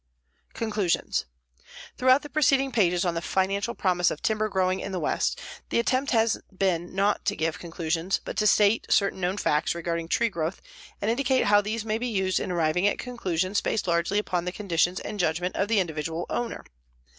CONCLUSIONS Throughout the preceding pages on the financial promise of timber growing in the West, the attempt has been not to give conclusions but to state certain known facts regarding tree growth and indicate how these may be used in arriving at conclusions based largely upon the conditions and judgment of the individual owner.